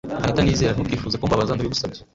anita nizera ntukifuze kumbabaza ndabigusabye